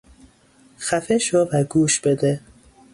خفه شو و گوش بده!